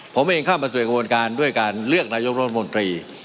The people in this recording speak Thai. ผมเองเข้ามาสู่กระบวนการด้วยการเลือกนายกรัฐมนตรี